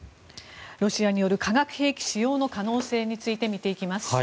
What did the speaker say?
ロシアによる化学兵器使用の可能性について見ていきます。